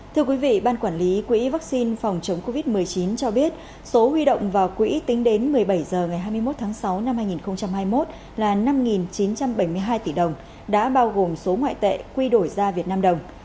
thưa quý vị ban quản lý quỹ vaccine phòng chống covid một mươi chín cho biết số huy động vào quỹ tính đến một mươi bảy h ngày hai mươi một tháng sáu năm hai nghìn hai mươi một là năm chín trăm bảy mươi hai tỷ đồng đã bao gồm số ngoại tệ quy đổi ra việt nam đồng